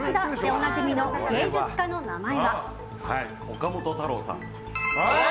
岡本太郎さん。